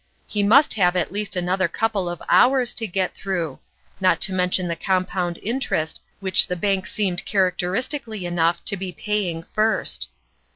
He must have at least another couple of hours to get through, not to mention the compound in terest, which the bank seemed characteristically enough to be paying first.